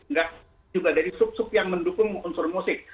nggak juga dari sub sub yang mendukung unsur musik